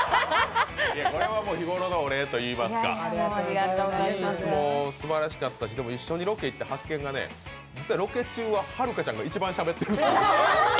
これは日頃のお礼といいますかすばらしかったし一緒にロケ行って発見がね、ロケ中ははるかちゃんが一番しゃべってるんや。